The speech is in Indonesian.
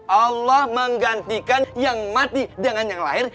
allah menggantikan yang mati dengan yang lain